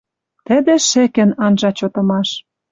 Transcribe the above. Тӹдӹ шӹкӹн анжа чотымаш.